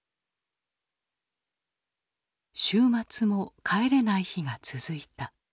週末も帰れない日が続いた。